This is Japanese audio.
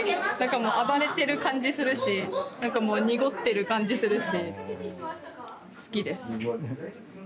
暴れてる感じするしなんかもう濁ってる感じするし好きです。